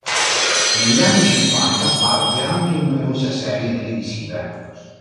Negli anni cinquanta apparve anche in numerose serie televisive.